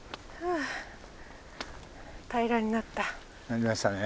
なりましたね。